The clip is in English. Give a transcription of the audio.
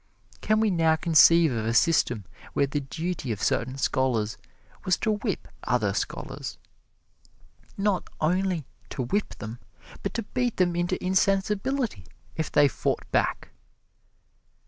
Can we now conceive of a system where the duty of certain scholars was to whip other scholars? Not only to whip them, but to beat them into insensibility if they fought back?